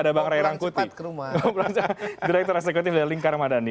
direktur eksekutif dari lingkar madani